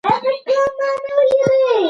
ایا ماشومانو ته مو د ځنګلونو د ګټو وویل؟